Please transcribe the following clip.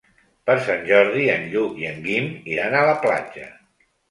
Per Sant Jordi en Lluc i en Guim iran a la platja.